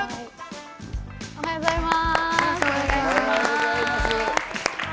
おはようございます。